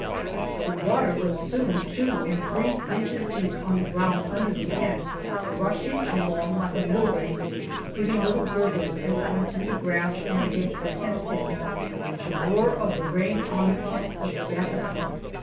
The water was soon two and three inches deep on the ground under the tent, rushing along like a mill race, giving little gurgles as it went through the grass and against the tent pins. The roar of the rain on the tent was deafening.